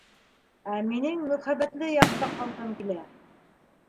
Ә минең мөхәббәтле яҡта ҡалғым килә!